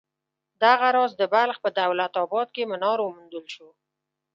دغه راز د بلخ په دولت اباد کې منار وموندل شو.